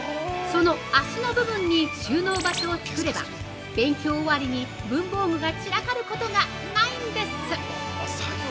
その脚の部分に収納場所を作れば勉強終わりに文房具が散らかることがないんです。